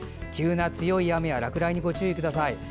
急な強い雨や落雷にご注意ください。